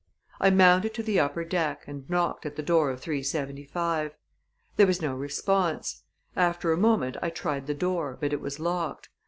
I mounted to the upper deck, and knocked at the door of 375. There was no response. After a moment, I tried the door, but it was locked.